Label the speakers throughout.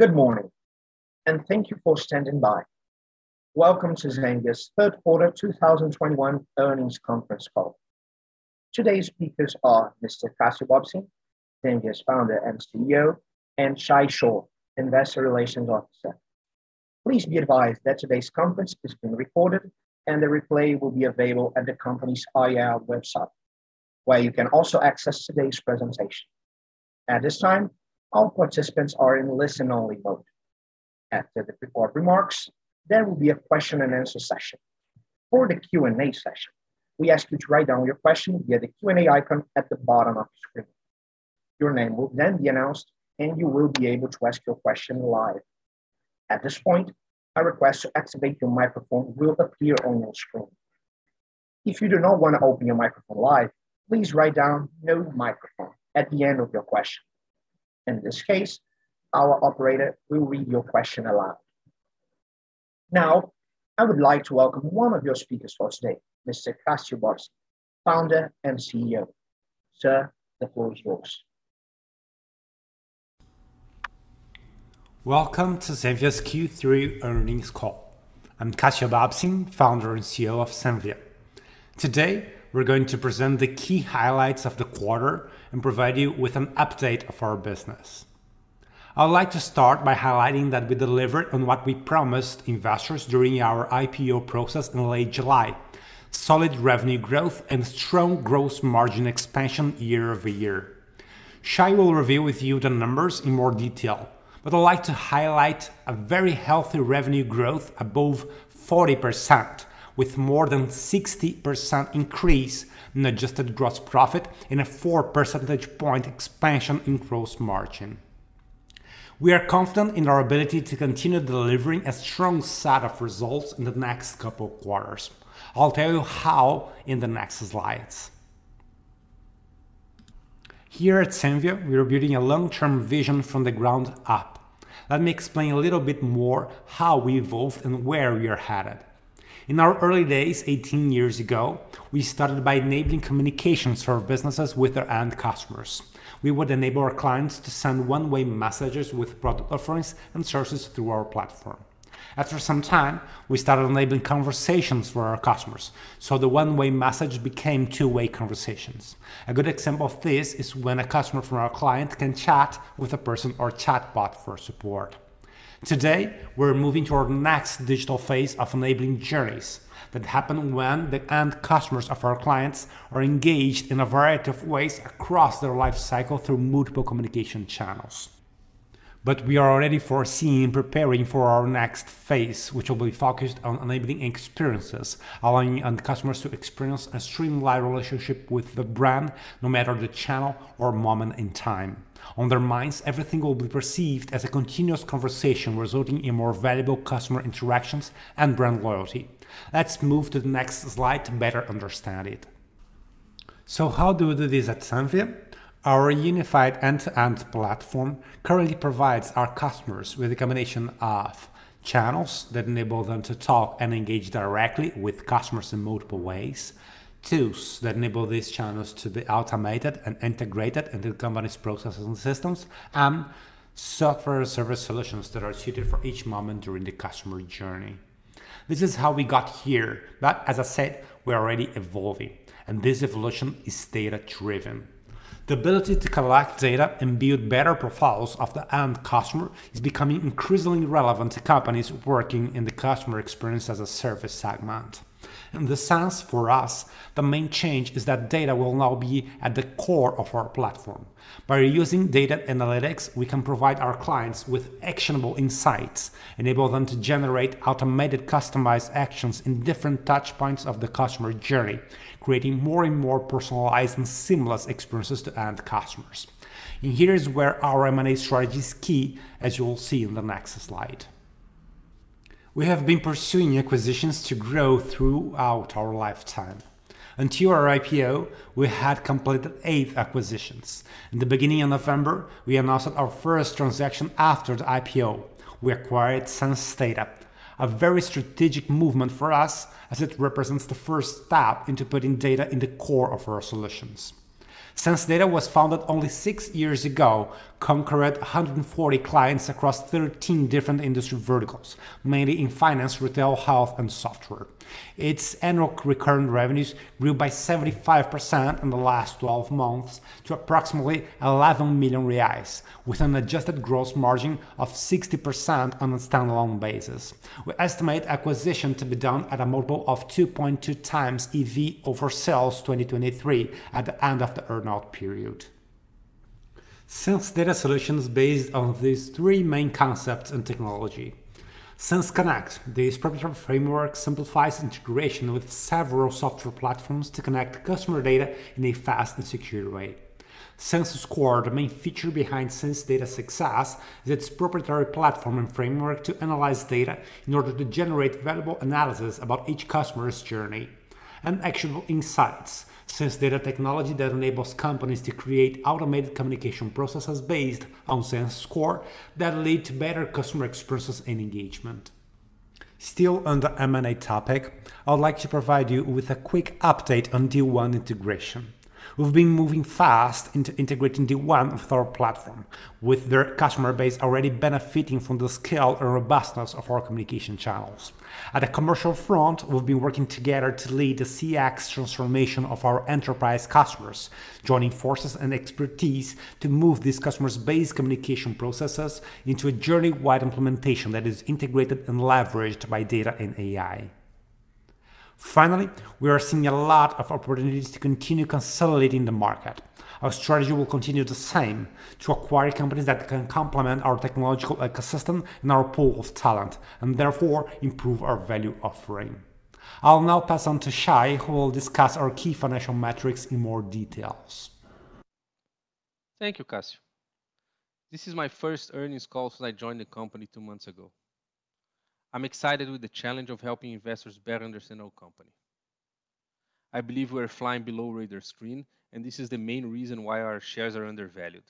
Speaker 1: Good morning, and thank you for standing by. Welcome to Zenvia's third quarter 2021 earnings conference call. Today's speakers are Mr. Cassio Bobsin, Zenvia's Founder and CEO, and Shay Chor, Investor Relations Officer. Please be advised that today's conference is being recorded and the replay will be available at the company's IR website, where you can also access today's presentation. At this time, all participants are in listen-only mode. After the prepared remarks, there will be a question-and-answer session. For the Q&A session, we ask you to write down your question via the Q&A icon at the bottom of your screen. Your name will then be announced, and you will be able to ask your question live. At this point, a request to activate your microphone will appear on your screen. If you do not want to open your microphone live, please write down "No microphone" at the end of your question. In this case, our operator will read your question aloud. Now, I would like to welcome one of your speakers for today, Mr. Cassio Bobsin, Founder and CEO. Sir, the floor is yours.
Speaker 2: Welcome to Zenvia's Q3 earnings call. I'm Cassio Bobsin, Founder and CEO of Zenvia. Today, we're going to present the key highlights of the quarter and provide you with an update of our business. I would like to start by highlighting that we delivered on what we promised investors during our IPO process in late July, solid revenue growth and strong gross margin expansion year-over-year. Shay will review with you the numbers in more detail, but I'd like to highlight a very healthy revenue growth above 40%, with more than 60% increase in adjusted gross profit and a 4 percentage point expansion in gross margin. We are confident in our ability to continue delivering a strong set of results in the next couple of quarters. I'll tell you how in the next slides. Here at Zenvia, we are building a long-term vision from the ground up. Let me explain a little bit more how we evolved and where we are headed. In our early days, 18 years ago, we started by enabling communications for our businesses with their end customers. We would enable our clients to send one-way messages with product offerings and services through our platform. After some time, we started enabling conversations for our customers, so the one-way message became two-way conversations. A good example of this is when a customer from our client can chat with a person or chatbot for support. Today, we're moving to our next digital phase of enabling journeys that happen when the end customers of our clients are engaged in a variety of ways across their life cycle through multiple communication channels. We are already foreseeing preparing for our next phase, which will be focused on enabling experiences, allowing end customers to experience a streamlined relationship with the brand, no matter the channel or moment in time. On their minds, everything will be perceived as a continuous conversation, resulting in more valuable customer interactions and brand loyalty. Let's move to the next slide to better understand it. How do we do this at Zenvia? Our unified end-to-end platform currently provides our customers with a combination of channels that enable them to talk and engage directly with customers in multiple ways. Tools that enable these channels to be automated and integrated into the company's processes and systems, and software service solutions that are suited for each moment during the customer journey. This is how we got here. As I said, we are already evolving, and this evolution is data-driven. The ability to collect data and build better profiles of the end customer is becoming increasingly relevant to companies working in the customer experience as a service segment. In this sense, for us, the main change is that data will now be at the core of our platform. By using data analytics, we can provide our clients with actionable insights, enable them to generate automated, customized actions in different touch points of the customer journey, creating more and more personalized and seamless experiences to end customers. Here is where our M&A strategy is key, as you will see in the next slide. We have been pursuing acquisitions to grow throughout our lifetime. Until our IPO, we had completed eight acquisitions. In the beginning of November, we announced our first transaction after the IPO. We acquired SenseData, a very strategic movement for us as it represents the first step into putting data in the core of our solutions. SenseData was founded only six years ago, conquered 140 clients across 13 different industry verticals, mainly in finance, retail, health, and software. Its annual recurring revenues grew by 75% in the last 12 months to approximately 11 million reais, with an adjusted gross margin of 60% on a standalone basis. We estimate acquisition to be done at a multiple of 2.2x EV over sales 2023 at the end of the earnout period. SenseData solutions based on these three main concepts and technology. Sense Connect. This proprietary framework simplifies integration with several software platforms to connect customer data in a fast and secure way. SenseScore, the main feature behind SenseData success, is its proprietary platform and framework to analyze data in order to generate valuable analysis about each customer's journey and actionable insights. SenseData technology that enables companies to create automated communication processes based on SenseScore that lead to better customer experiences and engagement. Still on the M&A topic, I would like to provide you with a quick update on D1 integration. We've been moving fast into integrating D1 with our platform, with their customer base already benefiting from the scale and robustness of our communication channels. At the commercial front, we've been working together to lead the CX transformation of our enterprise customers, joining forces and expertise to move these customers' base communication processes into a journey-wide implementation that is integrated and leveraged by data and AI. Finally, we are seeing a lot of opportunities to continue consolidating the market. Our strategy will continue the same, to acquire companies that can complement our technological ecosystem and our pool of talent, and therefore improve our value offering. I'll now pass on to Shay, who will discuss our key financial metrics in more details.
Speaker 3: Thank you, Cassio. This is my first earnings call since I joined the company two months ago. I'm excited with the challenge of helping investors better understand our company. I believe we're flying below radar screen, and this is the main reason why our shares are undervalued.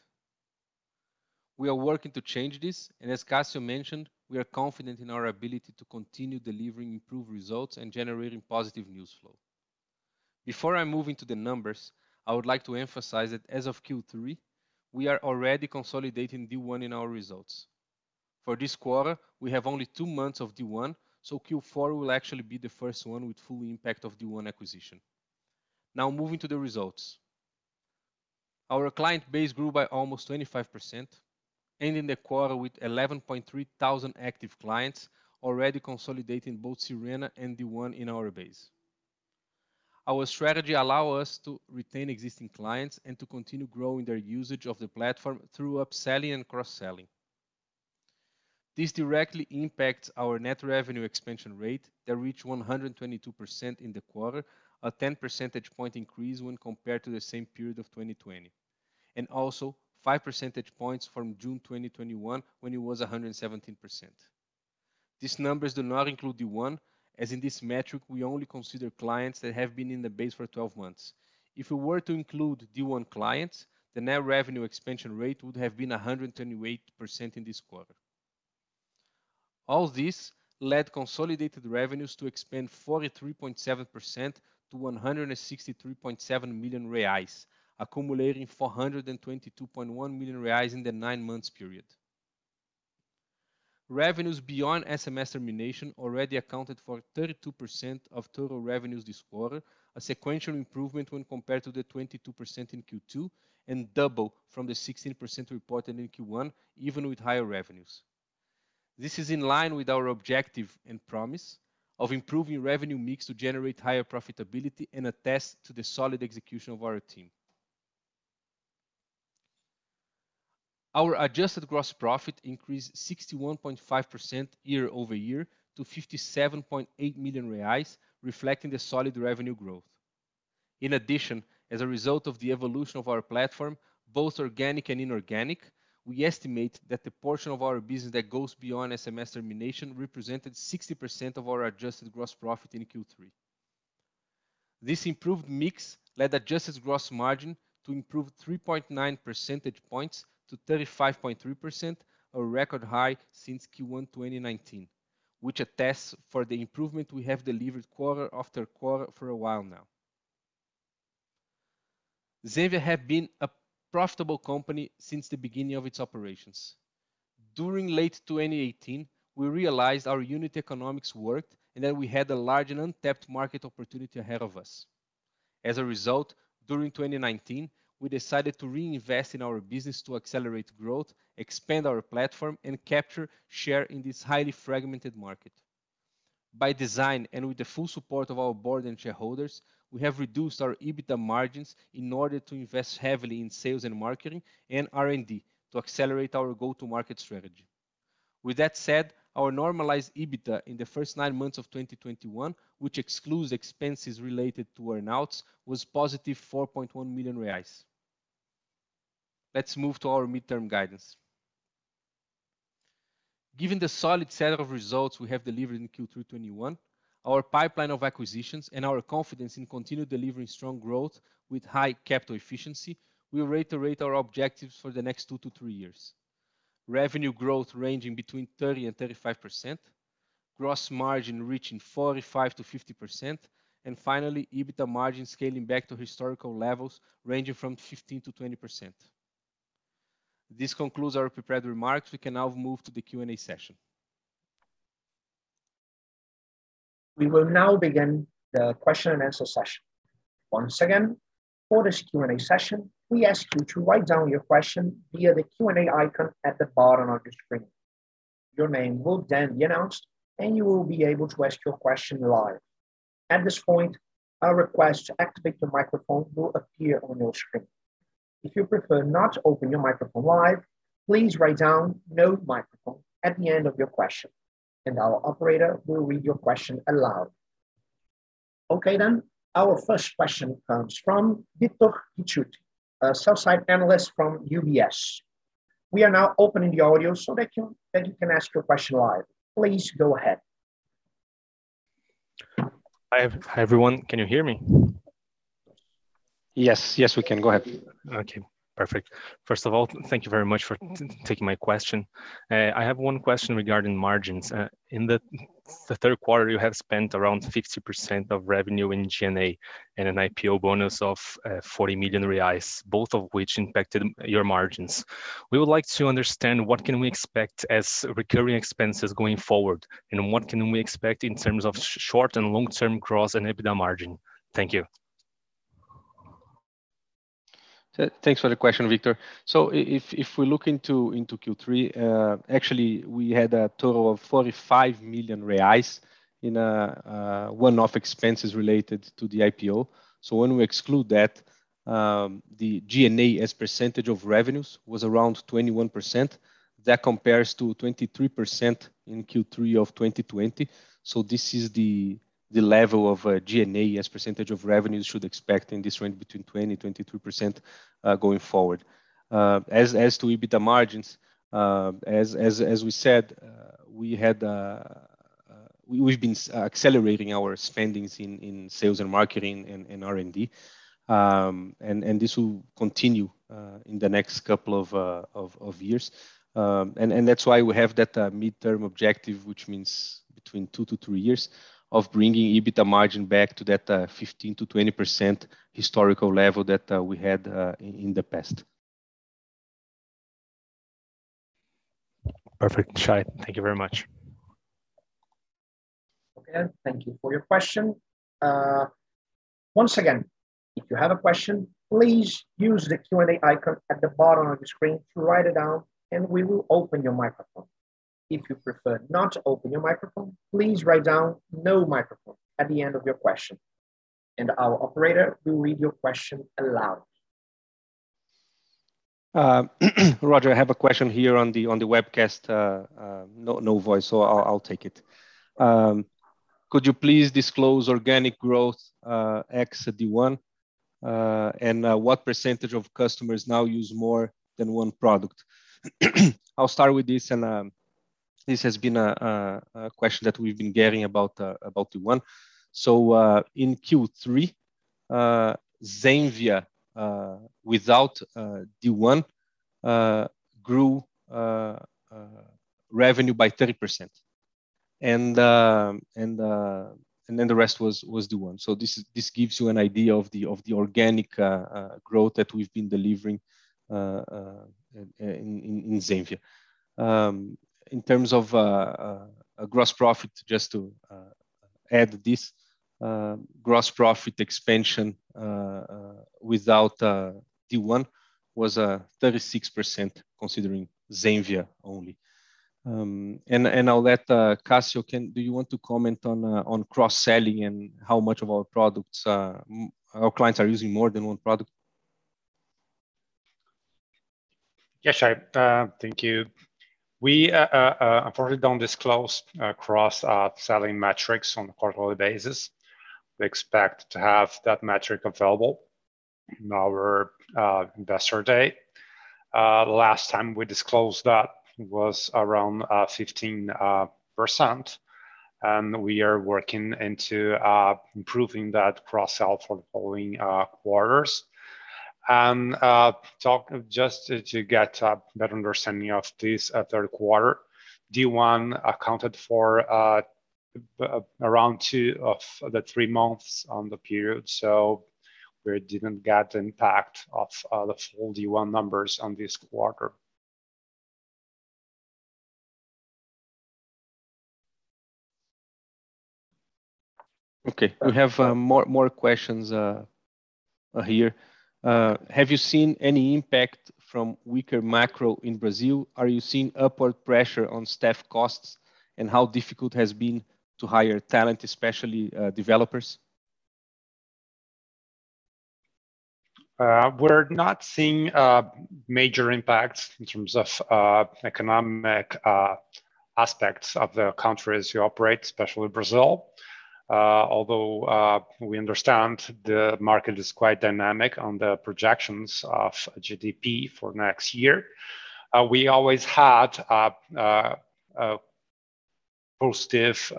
Speaker 3: We are working to change this, and as Cassio mentioned, we are confident in our ability to continue delivering improved results and generating positive news flow. Before I move into the numbers, I would like to emphasize that as of Q3, we are already consolidating D1 in our results. For this quarter, we have only two months of D1, so Q4 will actually be the first one with full impact of D1 acquisition. Now moving to the results. Our client base grew by almost 25%, ending the quarter with 11.3 thousand active clients already consolidating both Sirena and D1 in our base. Our strategy allow us to retain existing clients and to continue growing their usage of the platform through upselling and cross-selling. This directly impacts our net revenue expansion rate that reached 122% in the quarter, a 10 percentage point increase when compared to the same period of 2020, and also 5 percentage points from June 2021 when it was 117%. These numbers do not include D1, as in this metric we only consider clients that have been in the base for 12 months. If we were to include D1 clients, the net revenue expansion rate would have been 128% in this quarter. All this led consolidated revenues to expand 43.7% to 163.7 million reais, accumulating 422.1 million reais in the nine months period. Revenues beyond SMS termination already accounted for 32% of total revenues this quarter, a sequential improvement when compared to the 22% in Q2, and double from the 16% reported in Q1, even with higher revenues. This is in line with our objective and promise of improving revenue mix to generate higher profitability and attest to the solid execution of our team. Our adjusted gross profit increased 61.5% year-over-year to 57.8 million reais, reflecting the solid revenue growth. In addition, as a result of the evolution of our platform, both organic and inorganic, we estimate that the portion of our business that goes beyond SMS termination represented 60% of our adjusted gross profit in Q3. This improved mix led adjusted gross margin to improve 3.9 percentage points to 35.3%, a record high since Q1 2019, which attests for the improvement we have delivered quarter after quarter for a while now. Zenvia have been a profitable company since the beginning of its operations. During late 2018, we realized our unit economics worked and that we had a large and untapped market opportunity ahead of us. As a result, during 2019, we decided to reinvest in our business to accelerate growth, expand our platform, and capture share in this highly fragmented market. By design and with the full support of our board and shareholders, we have reduced our EBITDA margins in order to invest heavily in sales and marketing and R&D to accelerate our go-to-market strategy. With that said, our normalized EBITDA in the first nine months of 2021, which excludes expenses related to earn-outs, was positive 4.1 million reais. Let's move to our midterm guidance. Given the solid set of results we have delivered in Q3 2021, our pipeline of acquisitions and our confidence in continued delivering strong growth with high capital efficiency, we reiterate our objectives for the next two-three years. Revenue growth ranging between 30%-35%, gross margin reaching 45%-50%, and finally, EBITDA margin scaling back to historical levels ranging from 15%-20%. This concludes our prepared remarks. We can now move to the Q&A session.
Speaker 1: We will now begin the question-and-answer session. Once again, for this Q&A session, we ask you to write down your question via the Q&A icon at the bottom of your screen. Your name will then be announced, and you will be able to ask your question live. At this point, a request to activate your microphone will appear on your screen. If you prefer not to open your microphone live, please write down "No microphone" at the end of your question, and our operator will read your question aloud. Okay then, our first question comes from Victor Ricciuti, a Sell-Side Analyst from UBS. We are now opening the audio so that you can ask your question live. Please go ahead.
Speaker 4: Hi, everyone. Can you hear me?
Speaker 3: Yes. Yes, we can. Go ahead.
Speaker 4: Okay. Perfect. First of all, thank you very much for taking my question. I have one question regarding margins. In the third quarter, you have spent around 50% of revenue in G&A and an IPO bonus of 40 million reais, both of which impacted your margins. We would like to understand what can we expect as recurring expenses going forward, and what can we expect in terms of short and long-term growth and EBITDA margin? Thank you.
Speaker 3: Thanks for the question, Victor. If we look into Q3, actually we had a total of 45 million reais in one-off expenses related to the IPO. When we exclude that, the G&A as percentage of revenues was around 21%. That compares to 23% in Q3 of 2020. This is the level of G&A as percentage of revenue should expect in this range between 20%-23%, going forward. As to EBITDA margins, as we said, we've been accelerating our spendings in sales and marketing and R&D. This will continue in the next couple of years. That's why we have that midterm objective, which means between two-three years of bringing EBITDA margin back to that 15%-20% historical level that we had in the past.
Speaker 4: Perfect. Shay, thank you very much.
Speaker 1: Okay. Thank you for your question. Once again, if you have a question, please use the Q&A icon at the bottom of the screen to write it down, and we will open your microphone. If you prefer not to open your microphone, please write down "no microphone" at the end of your question, and our operator will read your question aloud.
Speaker 3: Roger, I have a question here on the webcast. No voice, so I'll take it. Could you please disclose organic growth ex D1 and what percentage of customers now use more than one product? I'll start with this and this has been a question that we've been getting about D1. In Q3, Zenvia without D1 grew revenue by 30%. Then the rest was D1. This gives you an idea of the organic growth that we've been delivering in Zenvia. In terms of gross profit, just to add this, gross profit expansion without D1 was 36% considering Zenvia only. I'll let Cassio. Do you want to comment on cross-selling and how much of our products our clients are using more than one product?
Speaker 2: Yes, Shay. Thank you. We unfortunately don't disclose cross-selling metrics on a quarterly basis. We expect to have that metric available in our investor day. Last time we disclosed that was around 15%, and we are working to improve that cross-sell for the following quarters. Just to get a better understanding of this third quarter, D1 accounted for around two of the three months in the period. So we didn't get the impact of the full D1 numbers on this quarter.
Speaker 3: Okay. We have more questions here. Have you seen any impact from weaker macro in Brazil? Are you seeing upward pressure on staff costs, and how difficult has been to hire talent, especially developers?
Speaker 2: We're not seeing major impacts in terms of economic aspects of the countries we operate, especially Brazil. Although we understand the market is quite dynamic on the projections of GDP for next year. We always had a positive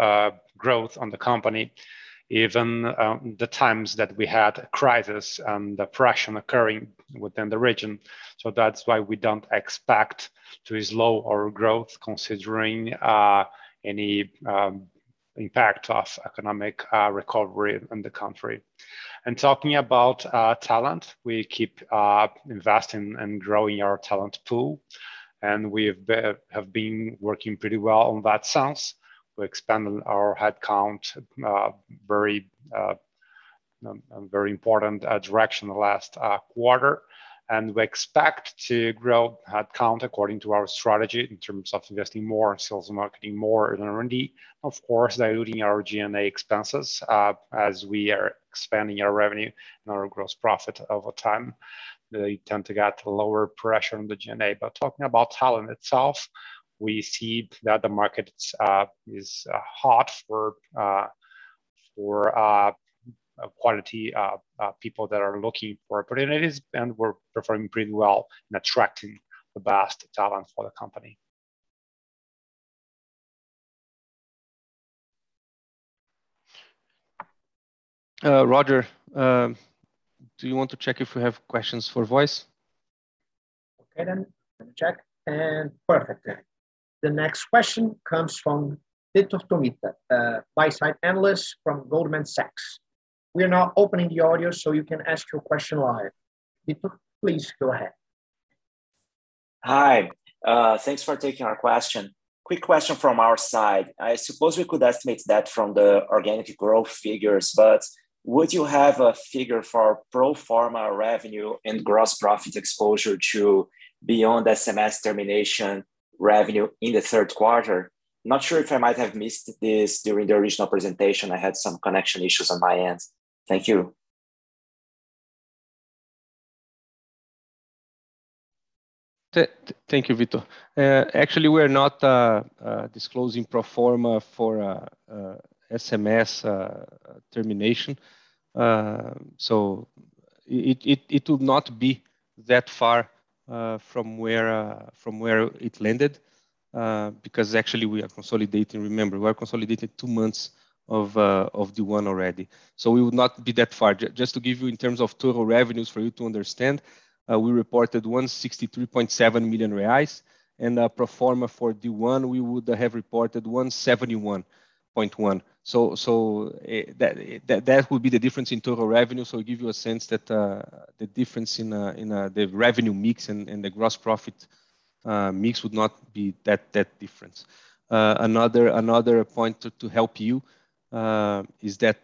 Speaker 2: growth on the company, even the times that we had crisis and depression occurring within the region. That's why we don't expect to slow our growth considering any impact of economic recovery in the country. Talking about talent, we keep investing and growing our talent pool, and we have been working pretty well in that sense. We expanded our headcount very important direction the last quarter. We expect to grow headcount according to our strategy in terms of investing more in sales and marketing, more in R&D, of course, diluting our G&A expenses, as we are expanding our revenue and our gross profit over time. They tend to get lower pressure on the G&A. Talking about talent itself, we see that the market is hot for quality people that are looking for opportunities, and we're performing pretty well in attracting the best talent for the company.
Speaker 3: Roger, do you want to check if we have questions for voice?
Speaker 1: Okay then. Let me check. Perfect then. The next question comes from Vitor Tomita, Buy-Side Analyst from Goldman Sachs. We are now opening the audio, so you can ask your question live. Vitor, please go ahead.
Speaker 5: Hi. Thanks for taking our question. Quick question from our side. I suppose we could estimate that from the organic growth figures, but would you have a figure for pro forma revenue and gross profit exposure to beyond SMS termination revenue in the third quarter? Not sure if I might have missed this during the original presentation. I had some connection issues on my end. Thank you.
Speaker 3: Thank you, Vitor. Actually, we're not disclosing pro forma for SMS termination. It would not be that far from where it landed because actually we are consolidating. Remember, we are consolidating two months of D1 already. We would not be that far. Just to give you in terms of total revenues for you to understand, we reported 163.7 million reais, and pro forma for D1 we would have reported 171.1 million. That would be the difference in total revenue. It give you a sense that the difference in the revenue mix and the gross profit mix would not be that different. Another point to help you is that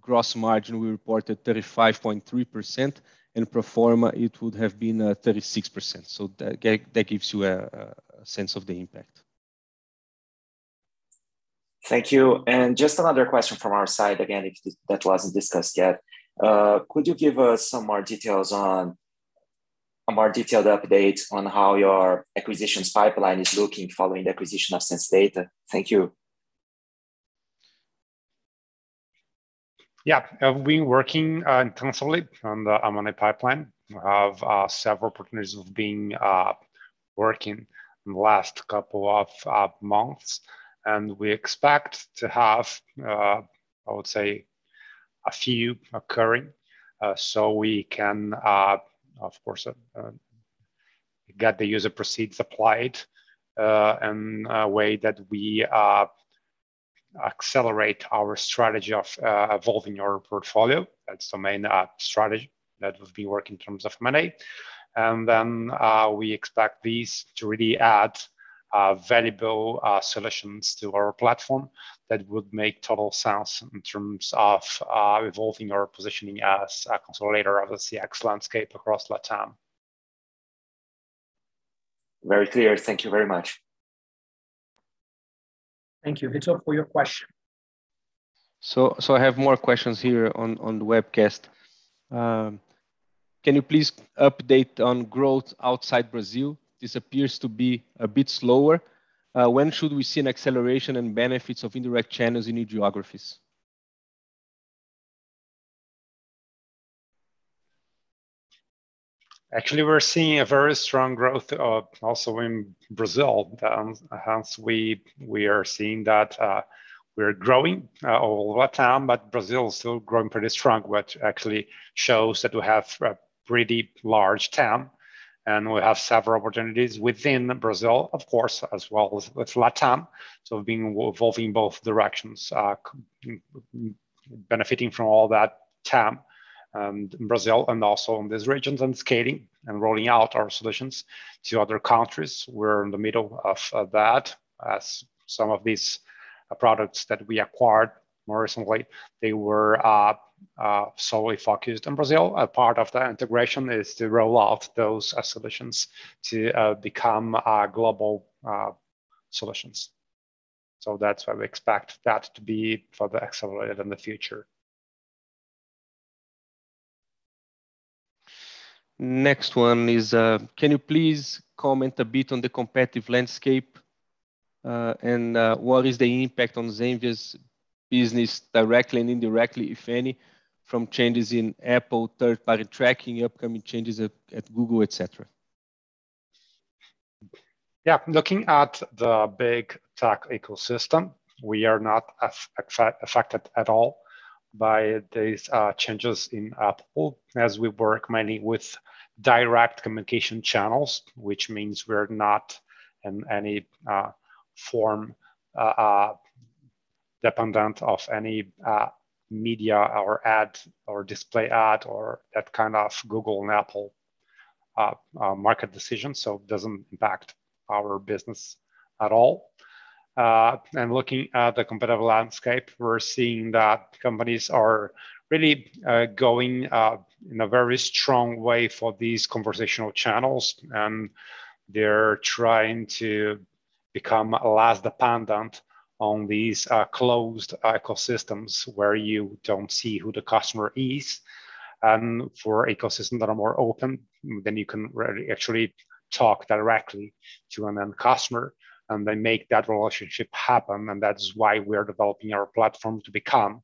Speaker 3: gross margin we reported 35.3%. In pro forma, it would have been 36%. That gives you a sense of the impact.
Speaker 5: Thank you. Just another question from our side, again, if that wasn't discussed yet. Could you give us some more details on a more detailed update on how your acquisitions pipeline is looking following the acquisition of SenseData? Thank you.
Speaker 2: Yeah. We're working intensively on the M&A pipeline. We have several partners we've been working in the last couple of months, and we expect to have I would say a few occurring, so we can of course get the use proceeds applied in a way that we accelerate our strategy of evolving our portfolio. That's the main strategy that we've been working in terms of M&A. We expect these to really add valuable solutions to our platform that would make total sense in terms of evolving our positioning as a consolidator of the CX landscape across LATAM.
Speaker 5: Very clear. Thank you very much.
Speaker 1: Thank you, Vitor, for your question.
Speaker 3: I have more questions here on the webcast. Can you please update on growth outside Brazil? This appears to be a bit slower. When should we see an acceleration and benefits of indirect channels in new geographies?
Speaker 2: Actually, we're seeing a very strong growth also in Brazil. Hence we are seeing that we're growing all LATAM, but Brazil is still growing pretty strong, which actually shows that we have a pretty large TAM, and we have several opportunities within Brazil, of course, as well as with LATAM. We've been evolving both directions, benefiting from all that TAM, Brazil and also in these regions and scaling and rolling out our solutions to other countries. We're in the middle of that. As some of these products that we acquired more recently, they were solely focused on Brazil. A part of the integration is to roll out those solutions to become global solutions. That's why we expect that to be further accelerated in the future.
Speaker 3: Next one is, can you please comment a bit on the competitive landscape, and what is the impact on Zenvia's business directly and indirectly, if any, from changes in Apple third-party tracking, upcoming changes at Google, et cetera?
Speaker 2: Yeah. Looking at the big tech ecosystem, we are not affected at all by these changes in Apple as we work mainly with direct communication channels, which means we're not in any form dependent of any media or ad or display ad or that kind of Google and Apple market decisions, so it doesn't impact our business at all. Looking at the competitive landscape, we're seeing that companies are really going in a very strong way for these conversational channels, and they're trying to become less dependent on these closed ecosystems where you don't see who the customer is. For ecosystem that are more open, you can really actually talk directly to an end customer and then make that relationship happen. That's why we are developing our platform to become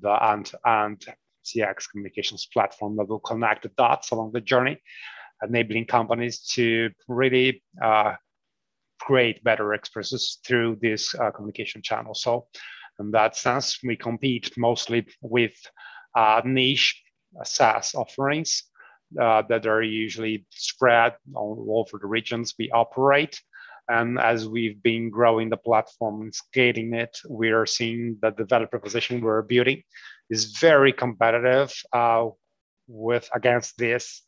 Speaker 2: the end-to-end CX communications platform that will connect the dots along the journey, enabling companies to really create better experiences through this communication channel. In that sense, we compete mostly with niche SaaS offerings that are usually spread all over the regions we operate. As we've been growing the platform and scaling it, we are seeing that the value proposition we're building is very competitive against these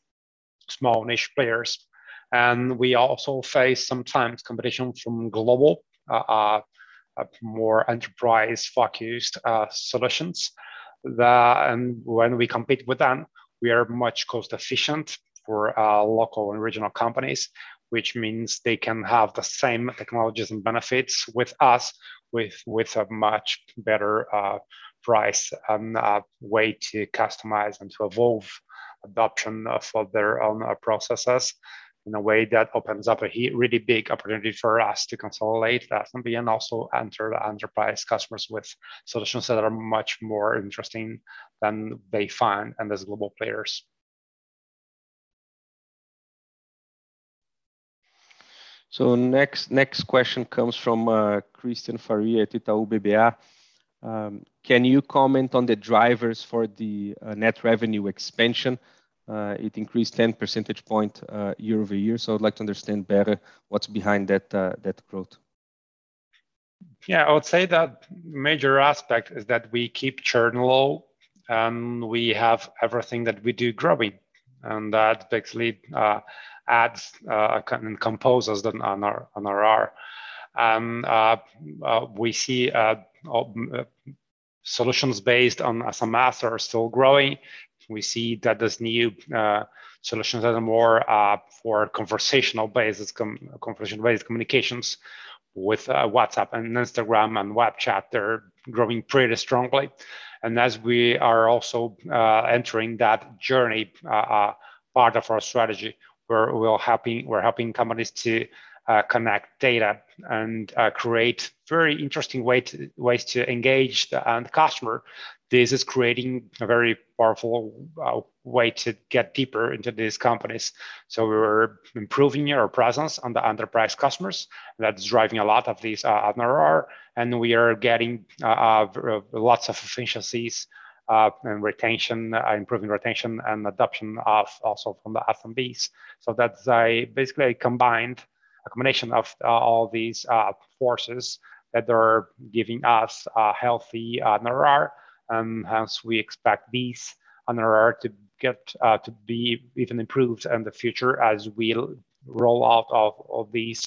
Speaker 2: small niche players. We also face sometimes competition from global more enterprise-focused solutions. When we compete with them, we are much cost-efficient for local and regional companies, which means they can have the same technologies and benefits with us with a much better price and way to customize and to evolve adoption of their own processes in a way that opens up a really big opportunity for us to consolidate that and also enter the enterprise customers with solutions that are much more interesting than they find in these global players.
Speaker 3: Next question comes from Cristian Faria at Itaú BBA. Can you comment on the drivers for the net revenue expansion? It increased 10 percentage point year-over-year. I'd like to understand better what's behind that growth.
Speaker 2: Yeah. I would say the major aspect is that we keep churn low, and we have everything that we do growing, and that basically adds and composes the NRR. We see solutions based on SMS are still growing. We see that these new solutions that are more for conversational conversation-based communications with WhatsApp and Instagram and web chat, they're growing pretty strongly. We are also entering that journey, part of our strategy, we're helping companies to connect data and create very interesting ways to engage the end customer. This is creating a very powerful way to get deeper into these companies. We're improving our presence on the enterprise customers. That's driving a lot of this NRR, and we are getting lots of efficiencies in retention, improving retention and adoption also from the SMBs. That's basically a combination of all these forces that are giving us a healthy NRR, hence we expect this NRR to get to be even improved in the future as we roll out all these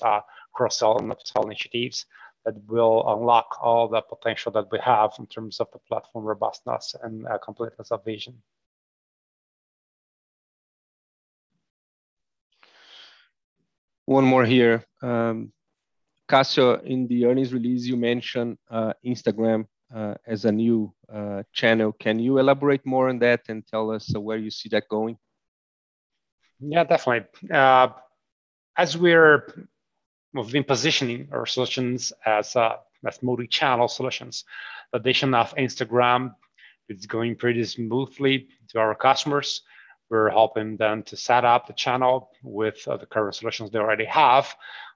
Speaker 2: cross-sell and upsell initiatives that will unlock all the potential that we have in terms of the platform robustness and completeness of vision.
Speaker 3: One more here. Cassio, in the earnings release you mention Instagram as a new channel. Can you elaborate more on that and tell us where you see that going?
Speaker 2: Yeah, definitely. We've been positioning our solutions as multi-channel solutions. Addition of Instagram is going pretty smoothly to our customers. We're helping them to set up the channel with the current solutions they already have,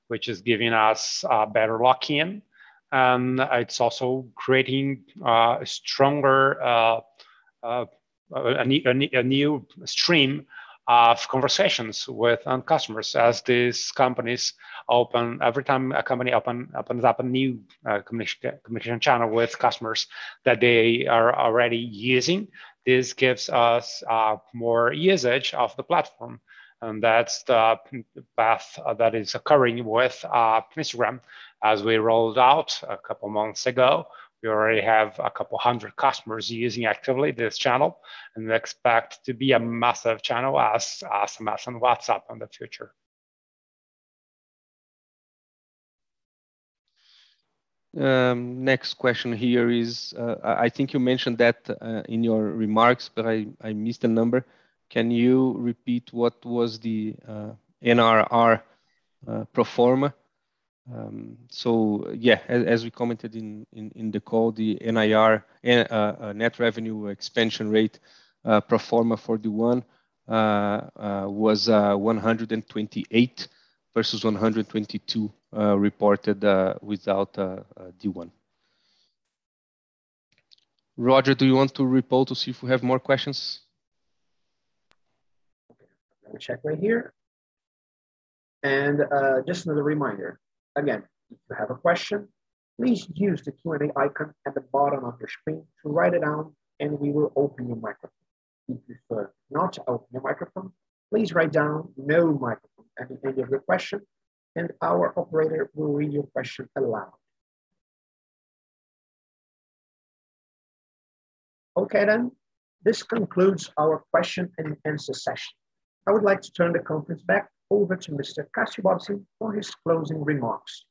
Speaker 2: which is giving us better lock-in, and it's also creating a stronger, a new stream of conversations with end customers as these companies open. Every time a company opens up a new communication channel with customers that they are already using, this gives us more usage of the platform, and that's the path that is occurring with Instagram. As we rolled out a couple months ago, we already have a couple hundred customers using actively this channel and expect to be a massive channel as much on WhatsApp in the future.
Speaker 3: Next question here is, I think you mentioned that in your remarks, but I missed the number. Can you repeat what was the NRR pro forma? As we commented in the call, the NRR net revenue expansion rate pro forma for D1 was 128 versus 122 reported without D1. Roger, do you want to report to see if we have more questions?
Speaker 1: Okay. Let me check right here. Just another reminder. Again, if you have a question, please use the Q&A icon at the bottom of your screen to write it down, and we will open your microphone. If you prefer not to open your microphone, please write down "no microphone" at the end of your question, and our operator will read your question aloud. Okay then. This concludes our question and answer session. I would like to turn the conference back over to Mr. Cassio Bobsin for his closing remarks.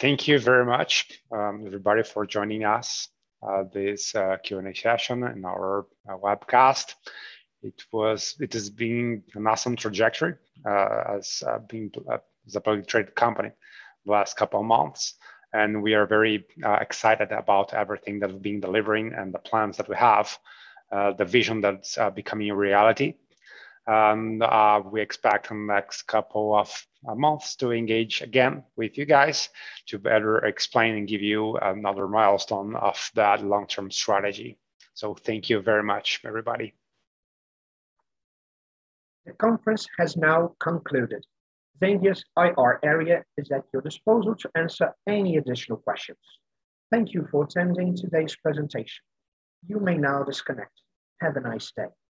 Speaker 2: Thank you very much, everybody, for joining us this Q&A session and our webcast. It has been an awesome trajectory as a publicly traded company the last couple of months, and we are very excited about everything that we've been delivering and the plans that we have, the vision that's becoming a reality. We expect in the next couple of months to engage again with you guys to better explain and give you another milestone of that long-term strategy. Thank you very much, everybody.
Speaker 1: The conference has now concluded. Zenvia IR area is at your disposal to answer any additional questions. Thank you for attending today's presentation. You may now disconnect. Have a nice day.